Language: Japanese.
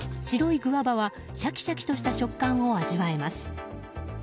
白いグアバはシャキシャキとした食感を味わえます。